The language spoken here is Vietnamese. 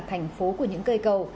thành phố của những cây cầu